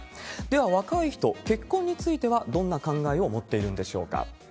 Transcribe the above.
では、若い人、結婚についてはどんな考えを持っているんでしょうか。